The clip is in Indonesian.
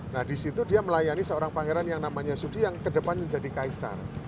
nah disitu dia melayani seorang pangeran yang namanya sudi yang kedepannya menjadi kaisar